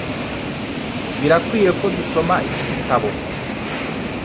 Birakwiye ko dusoma iki gitabo.